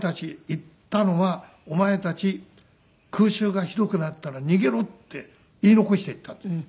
言ったのは「お前たち空襲がひどくなったら逃げろ」って言い残して行ったんです。